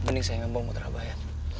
neng saya mau bawa motor abah ya